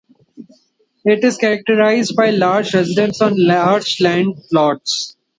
It is characterized by large residences on large land lots.